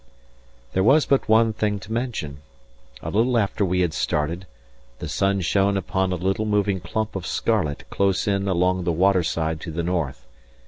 There was but one thing to mention. A little after we had started, the sun shone upon a little moving clump of scarlet close in along the water side to the north.